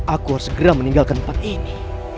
aku harus segera meninggalkan tempat ini